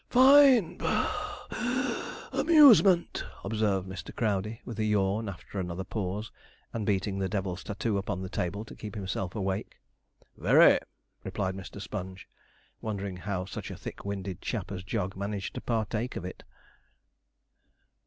'Fine (puff, wheeze) amusement,' observed Mr. Crowdey, with a yawn after another pause, and beating the devil's tattoo upon the table to keep himself awake. 'Very,' replied Mr. Sponge, wondering how such a thick winded chap as Jog managed to partake of it.